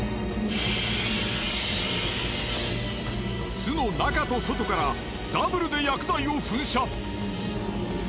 巣の中と外からダブルで薬剤を噴射。